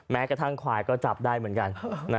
แม้กระทั่งควายก็จับได้เหมือนกัน